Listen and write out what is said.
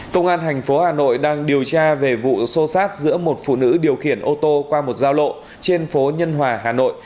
công an thành phố hà nội đang điều tra về vụ xô xát giữa một phụ nữ điều khiển ô tô qua một giao lộ trên phố nhân hòa hà nội